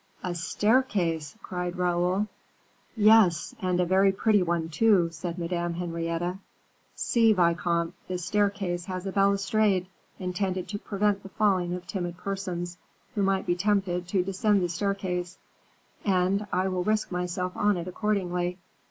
"A staircase!" cried Raoul. "Yes, and a very pretty one, too," said Madame Henrietta. "See, vicomte, the staircase has a balustrade, intended to prevent the falling of timid persons, who might be tempted to descend the staircase; and I will risk myself on it accordingly.